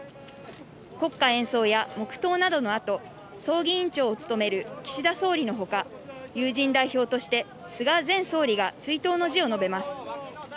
国歌演奏や黙とうなどの後、葬儀委員長を務める岸田総理のほか、友人代表として菅前総理が追悼の辞を述べます。